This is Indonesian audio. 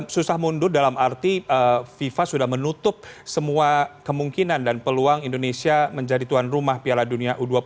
susah mundur dalam arti fifa sudah menutup semua kemungkinan dan peluang indonesia menjadi tuan rumah piala dunia u dua puluh